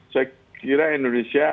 saya kira indonesia